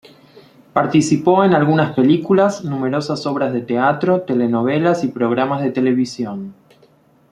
Participó en algunas películas, numerosas obras de teatro, telenovelas y programas de televisión.